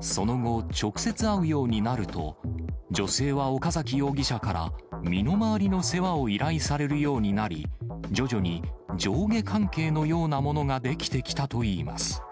その後、直接会うようになると、女性は岡崎容疑者から身の回りの世話を依頼されるようになり、徐々に上下関係のようなものが出来てきたといいます。